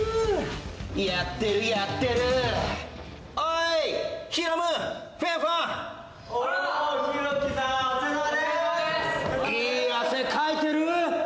いい汗かいてる？